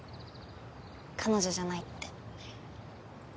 彼女じゃないって。